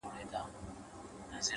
علم د انسان د شخصیت جوړوونکی دی!.